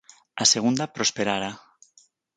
A segunda prosperara.